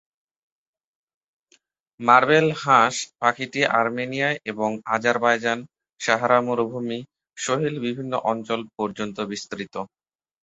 Marble হাঁস পাখিটি Armenia এবং আজারবাইজান, সাহারা মরুভূমি, সহিল বিভিন্ন অঞ্চল পর্যন্ত বিস্তৃত।